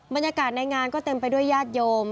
บรรยากาศในงานก็เต็มไปด้วยญาติโยม